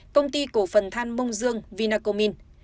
công ty cổ phần than mông dương vinacommin